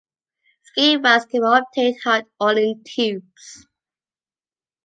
Ski-wax can be obtained hard or in tubes.